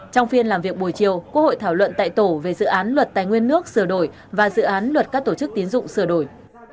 trong phiên làm việc buổi chiều quốc hội thảo luận tại tổ về dự án luật tài nguyên nước sửa đổi và dự án luật các tổ chức tiến dụng sửa đổi